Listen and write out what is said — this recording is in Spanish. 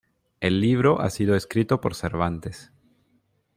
El libro ha sido escrito por Cervantes.